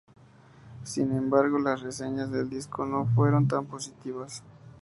Sin embargo, las reseñas del disco no fueron tan positivas.